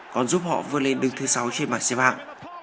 còn giúp họ vươn lên đứng thứ sáu trên mạng xe bạc